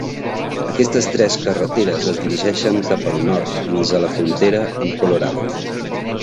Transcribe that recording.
Aquestes tres carreteres es dirigeixen cap al nord fins a la frontera amb Colorado.